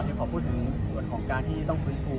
เนาะขอพูดถึงปัญหาส่วนของการที่ต้องฟื้นฟู